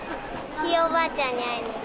ひいおばあちゃんに会いに。